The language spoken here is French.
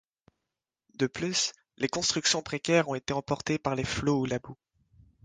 De plus, les constructions précaires ont été emportées par les flots ou la boue.